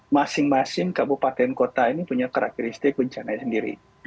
masing masing kabupaten kota ini punya karakteristik bencana sendiri